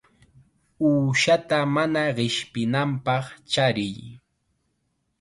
Uushata mana qishpinanpaq chariy.